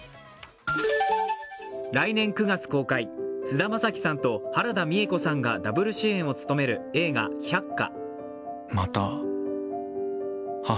来年９月公開、菅田将暉さんと原田美枝子さんがダブル主演を務める映画「百花」。